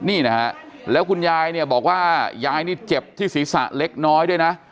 นี่นะฮะแล้วคุณยายเนี่ยบอกว่ายายนี่เจ็บที่ศีรษะเล็กน้อยด้วยนะ